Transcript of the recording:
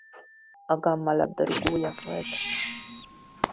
A Gamma labdarúgója volt.